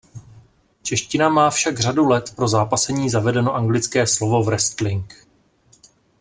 Čeština má však řadu let pro zápasení zavedeno anglické slovo "wrestling".